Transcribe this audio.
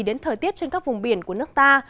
đến thời tiết trên các vùng biển của nước ta